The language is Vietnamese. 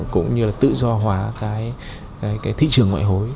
cũng như là tự do hóa cái thị trường ngoại hối